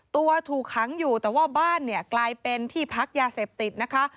ถูกขังอยู่แต่ว่าบ้านเนี่ยกลายเป็นที่พักยาเสพติดนะคะ